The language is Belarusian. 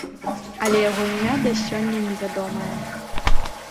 Але яго імя да сёння невядомае.